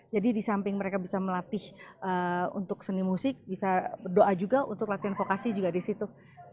jadi di samping mereka bisa melatih untuk seni musik bisa berdoa juga untuk latihan vokasi juga di situ